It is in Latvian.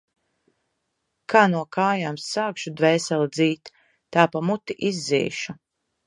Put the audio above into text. Kā no kājām sākšu dvēseli dzīt, tā pa muti izdzīšu.